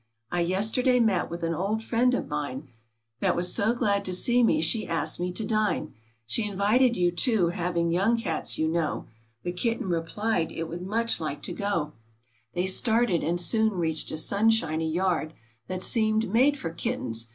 I yesterday met with an old friend of mine, That was so glad to see me she asked me to dine. She invited you, too — having young cats, you know;" The Kitten replied it would like much to go. They started, and soon reached a sunshiny yard That seemed made for kittens.